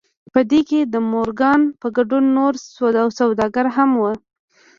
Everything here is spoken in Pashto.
په دې کې د مورګان په ګډون نور سوداګر هم وو